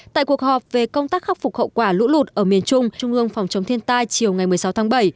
tại cuộc họp về công tác khắc phục hậu quả lũ lụt ở miền trung trung ương phòng chống thiên tai chiều ngày một mươi sáu tháng bảy